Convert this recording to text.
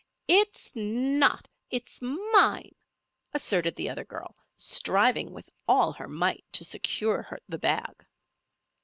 "It's not! it's mine!" asserted the other girl, striving with all her might to secure the bag.